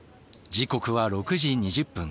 時刻は６時２０分。